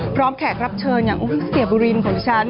พร้อมแขกรับเชิญอย่างอุ้ยเสียบุรีนของฉัน